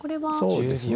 そうですね。